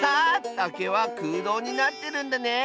たけはくうどうになってるんだね！